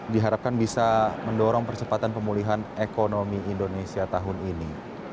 diharapkan bisa mendorong percepatan pemulihan ekonomi indonesia tahun ini